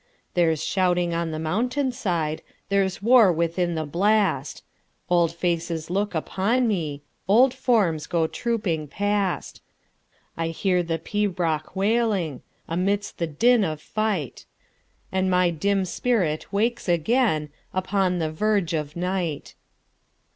There 's shouting on the mountain side, There 's war within the blast; Old faces look upon me, Old forms go trooping past:I hear the pibroch wailingAmidst the din of fight, And my dim spirit wakes againUpon the verge of night.